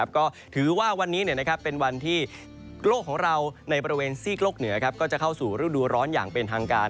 ก็ถือว่าวันนี้เป็นวันที่โลกของเราในบริเวณซีกโลกเหนือก็จะเข้าสู่ฤดูร้อนอย่างเป็นทางการ